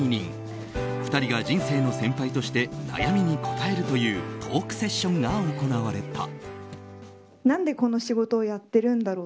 ２人が人生の先輩として悩みに答えるというトークセッションが行われた。